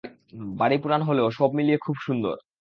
বাড়ি পুরান হলেও সব মিলিয়ে খুব সুন্দর।